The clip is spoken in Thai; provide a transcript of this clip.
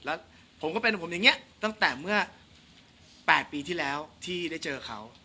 แล้วผมก็เป็นผมอย่างนี้ตั้งแต่เมื่อ๘ปีที่แล้วที่ได้เจอเขา